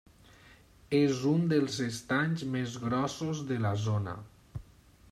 És un dels estanys més grossos de la zona.